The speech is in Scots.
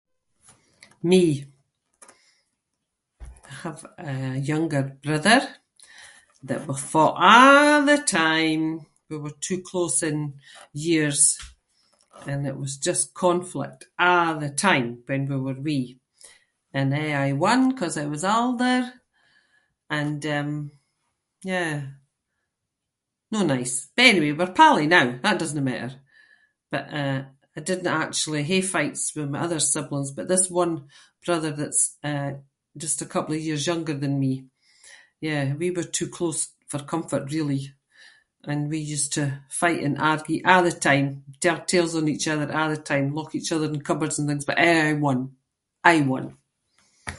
Me. I have a younger brother that we fought a’ the time! We were too close in years and it was just conflict a’ the time when we were wee. And aie I won ‘cause I was older and um, yeah- no nice. But anyway, we’re pally now. That doesnae matter. But eh, I didnae actually hae fights with my other siblings but this one brother that's, eh, just a couple of years younger than me- yeah, we were too close for comfort really, and we used to fight and argue a’ the time. [inc] on each other a’ the time, lock each other in cupboards and things, but aie I won – I won.